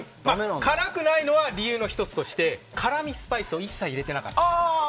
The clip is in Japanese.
辛くないのは理由の１つとして辛味スパイスを一切入れていなかったんです。